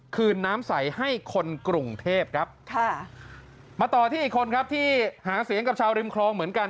คืนน้ำใสให้คนกรุงเทพครับค่ะมาต่อที่อีกคนครับที่หาเสียงกับชาวริมคลองเหมือนกัน